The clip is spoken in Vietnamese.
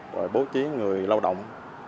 rồi bố trí người lao động